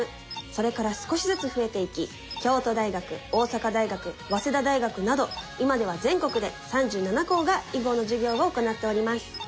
それから少しずつ増えていき京都大学大阪大学早稲田大学など今では全国で３７校が囲碁の授業を行っております。